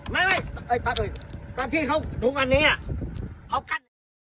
ไม่ไม่เอ้ยปั๊บเลยตามที่เขาถูกวันนี้อ่ะเขากั้น